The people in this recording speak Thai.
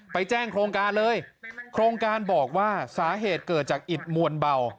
ไปแจ้งโครงการเลยโครงการบอกว่าสาเหตุเกิดจากอิดมวลเบา